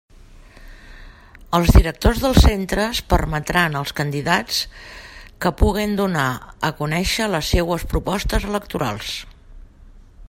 Els directors dels centres permetran als candidats que puguen donar a conéixer les seues propostes electorals.